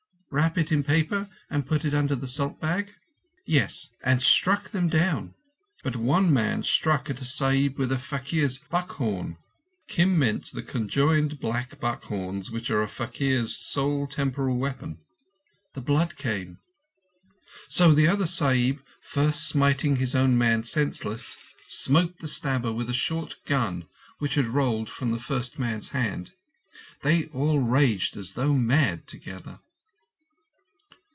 Wrap it in paper and put it under the salt bag? Yes—and struck them down. But one man struck at a Sahib with a faquir's buck's horn" (Kim meant the conjoined black buck horns, which are a faquir's sole temporal weapon)—"the blood came. So the other Sahib, first smiting his own man senseless, smote the stabber with a short gun which had rolled from the first man's hand. They all raged as though mad together."